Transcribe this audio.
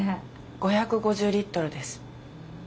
５５０リットルです。